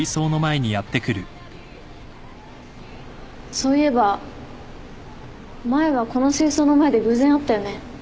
そういえば前はこの水槽の前で偶然会ったよね。